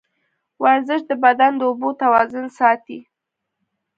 ورزش د بدن د اوبو توازن ساتي.